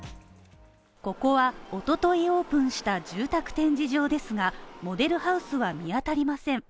ここはおとといオープンした住宅展示場ですがモデルハウスは見当たりません。